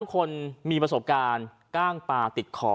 คนมีประสบการณ์กล้างปลาติดคอ